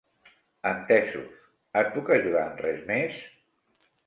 Entesos, et puc ajudar en res més?